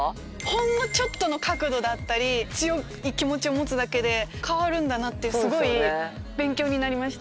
ほんのちょっとの角度だったり強い気持ちを持つだけで変わるんだなってすごい勉強になりました。